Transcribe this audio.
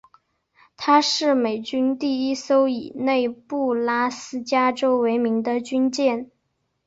她是美军第一艘以内布拉斯加州为名的军舰。